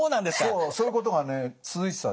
そうそういうことが続いてたんです。